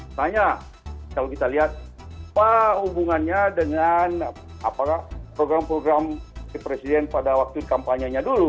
misalnya kalau kita lihat apa hubungannya dengan program program presiden pada waktu kampanye nya dulu